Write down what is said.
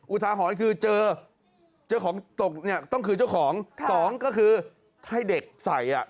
อุทาหอนคือเจอต้องคือเจ้าของสองก็คือให้เด็กใส่